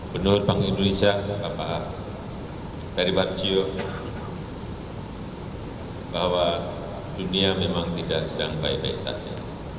penurbang indonesia bapak peri warjio bahwa dunia memang tidak sedang baik baik saja